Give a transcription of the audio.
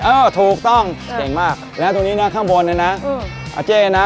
เออถูกต้องเก่งมากแล้วตรงนี้นะข้างบนเนี่ยนะอาเจนะ